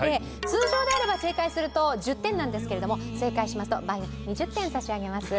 通常であれば正解すると１０点なんですけれども正解しますと倍の２０点差し上げます。